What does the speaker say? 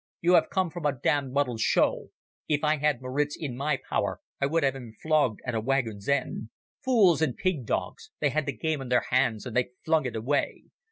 "You have come from a damned muddled show. If I had Maritz in my power I would have him flogged at a wagon's end. Fools and pig dogs, they had the game in their hands and they flung it away.